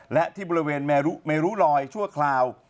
และที่บริเวณเมรุลอยชั่วคราว